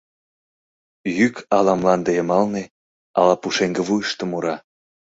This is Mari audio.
Йӱк ала мланде йымалне, ала пушеҥгывуйышто мура: